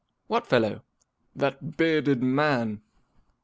" What fellow ?"" That bearded man."